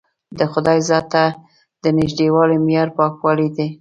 د خدای ذات ته د نژدېوالي معیار پاکوالی دی.